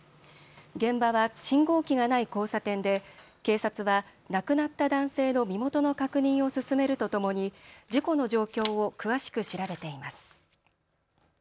現場は信号機がない交差点で警察は亡くなった男性の身元の確認を進めるとともに事故の状況を詳しく調べています。